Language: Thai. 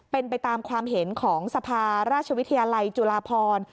เป็นไปตามความเห็นของสภาราชวิทยาลัยจุฬาพร